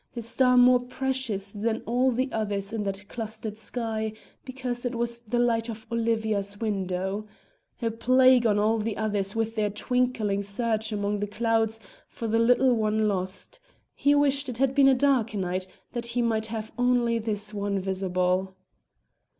a star more precious than all the others in that clustered sky, because it was the light of Olivia's window. A plague on all the others with their twinkling search among the clouds for the little one lost! he wished it had been a darker night that he might have only this one visible.